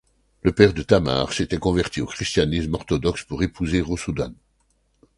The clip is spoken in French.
Le père de Thamar s'était converti au christianisme orthodoxe pour épouser Rousoudan.